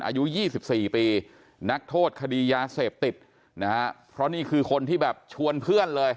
อายุ๒๔ปีนักโทษคดียาเสพติดนะฮะเพราะนี่คือคนที่แบบชวนเพื่อนเลย